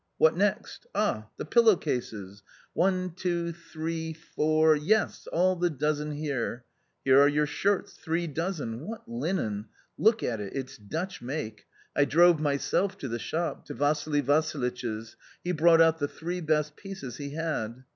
What next ? Ah, the pillow cases. One, two, three, four — yes, all the dozen here. Here are your shirts, three dozen — what linen ! Look at it — it's Dutch make — I drove myself to the shop, to Vassili Vassilitch's ; he brought out the three best pieces he had.